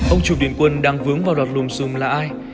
ông trùm điền quân đang vướng vào đoạt lùm xùm là ai